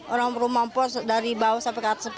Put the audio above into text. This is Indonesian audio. orang rumah empat dari bawah sampai ke atas empat